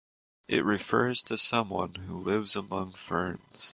It refers to someone who lives among ferns.